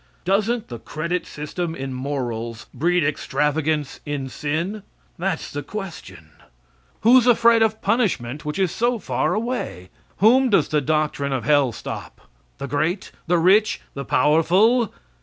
Doesn't the credit system in morals breed extravagance in sin? That's the question. Who's afraid of punishment which is so far away? Whom does the doctrine of hell stop? The great, the rich, the powerful?